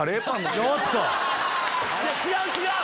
違う違う！